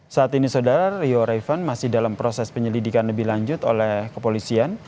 saat ini saudara rio raivan masih dalam proses penyelidikan lebih lanjut oleh kepolisian